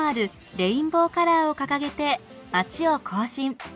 レインボーカラーを掲げて街を行進。